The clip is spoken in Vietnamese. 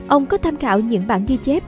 ông có tham khảo những bản ghi chép